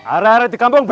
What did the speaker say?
ara ara di kampung ben